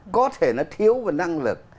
có thể nó thiếu về năng lực